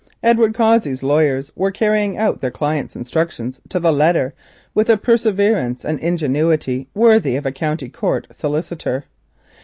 Edward Cossey's lawyers were carrying out their client's instructions to the letter with a perseverance and ingenuity worthy of a County Court solicitor.